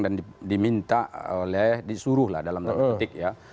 dan diminta oleh disuruh lah dalam nama kritik ya